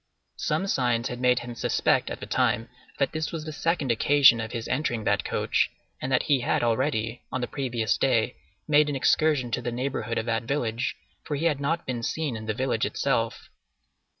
Some signs had made him suspect at the time that this was the second occasion of his entering that coach, and that he had already, on the previous day, made an excursion to the neighborhood of that village, for he had not been seen in the village itself.